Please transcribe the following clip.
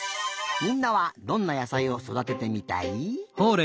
みんなはどんな野さいをそだててみたい？